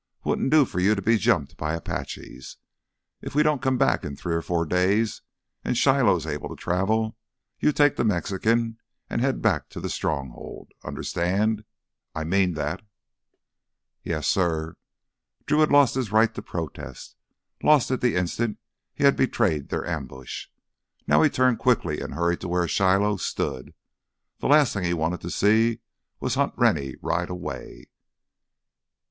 Wouldn't do for you to be jumped by Apaches. If we don't come back in three or four days and Shiloh's able to travel, you take the Mexican and head back to the Stronghold—understand? I mean that." "Yes, suh." Drew had lost his right to protest, lost it the instant he had betrayed their ambush. Now he turned quickly and hurried to where Shiloh stood. The last thing he wanted to see was Hunt Rennie ride away.